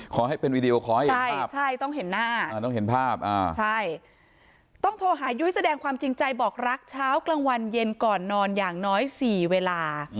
ขอให้เป็นวีดีโอคอร์ให้ใช่ต้องเห็นหน้าต้องเห็นภาพใช่ต้องโทรหายุ้ยแสดงความจริงใจบอกรักเช้ากลางวันเย็นก่อนนอนอย่างน้อย๔เวลา